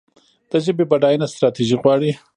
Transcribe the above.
د ژبې بډاینه ستراتیژي غواړي.